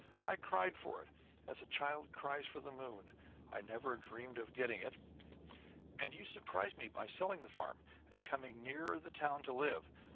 I cried for it, as a child cries for the moon. I never dreamed of getting it. And you surprised me by selling the farm, and coming nearer the town to live.